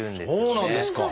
そうなんですか！